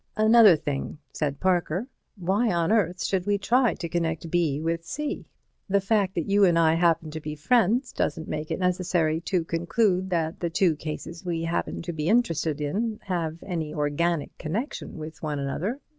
"Another thing," said Parker. "Why on earth should we try to connect B with C? The fact that you and I happen to be friends doesn't make it necessary to conclude that the two cases we happen to be interested in have any organic connection with one another.